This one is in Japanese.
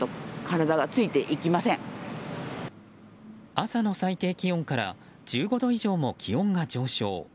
朝の最低気温から１５度以上も気温が上昇。